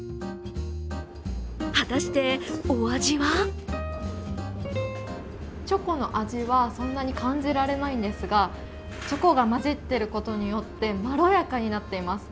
果たして、お味はチョコの味はそんなに感じられないんですがチョコが混じっていることによって、まろやかになっています。